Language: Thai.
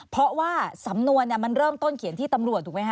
เพราะว่าสำนวนมันเริ่มต้นเขียนที่ตำรวจถูกไหมค